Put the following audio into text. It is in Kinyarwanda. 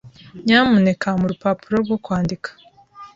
Nyamuneka mpa urupapuro rwo kwandika.